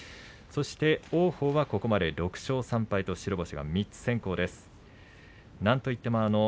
そして王鵬はここまで６勝３敗と白星が先行しています。